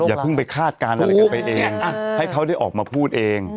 อย่าเพิ่งไปคาดการณ์อะไรกันไปเองให้เขาได้ออกมาพูดเอง